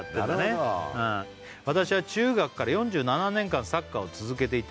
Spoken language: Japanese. なるほど「私は中学から４７年間サッカーを続けていて」